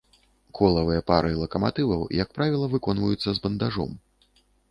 Колавыя пары лакаматываў, як правіла, выконваюцца з бандажом.